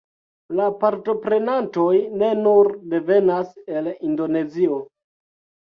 La partoprenantoj ne nur devenas el Indonezio